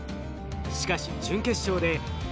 しかし準決勝で宿敵